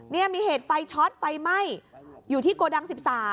นี่มีเหตุไฟช็อตไฟไหม้อยู่ที่โกดัง๑๓